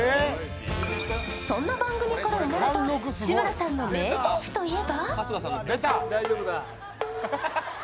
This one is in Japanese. そんな番組から生まれた志村けんの名台詞といえば？